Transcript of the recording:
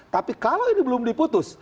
tapi kalau ini belum diputus